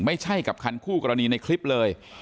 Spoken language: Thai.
ไม่ใช่กับคันคู่กรณีในคลิปเลย